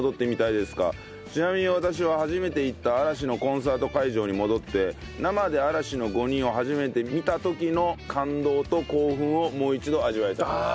ちなみに私は初めて行った嵐のコンサート会場に戻って生で嵐の５人を初めて見た時の感動と興奮をもう一度味わいたいです。